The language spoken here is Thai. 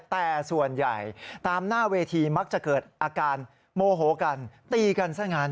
แต่ส่วนใหญ่ตามหน้าเวทีมักจะเกิดอาการโมโหกันตีกันซะงั้น